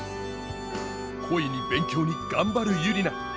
恋に勉強に頑張るユリナ。